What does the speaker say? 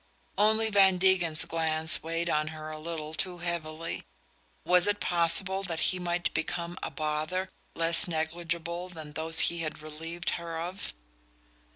Only Van Degen's glance weighed on her a little too heavily. Was it possible that he might become a "bother" less negligible than those he had relieved her of?